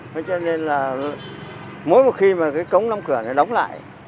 nên cho nên là mỗi một khi mà cái cống lâm cửa này đóng lại